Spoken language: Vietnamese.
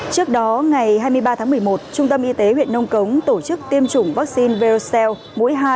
trước đó ngày hai mươi ba tháng một mươi một trung tâm y tế huyện nông cống tổ chức tiêm chủng vaccine berseel mũi hai